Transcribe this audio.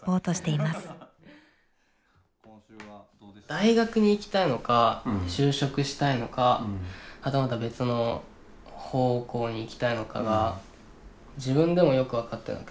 大学に行きたいのか就職したいのかはたまた別の方向に行きたいのかが自分でもよく分かってなくて。